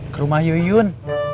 ke rumah yuyun